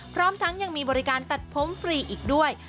พร้อมทั้งยังมีบริการตัดผมฟรีอีกด้วย